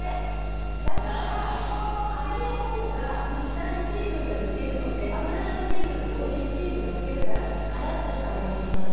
だから網の方が下に水分が抜けるので油が抜けるのと同時に水分が抜けるからカラッとした揚げ物になる。